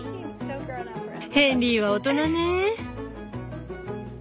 ヘンリーは大人ねぇ。